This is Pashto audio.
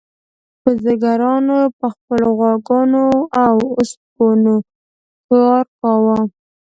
بزګرانو په خپلو غواګانو او اوسپنو کار کاوه.